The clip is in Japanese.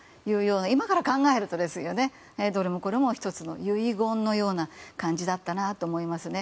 今から考えると、どれもこれも１つの遺言のような感じだったなと思いますね。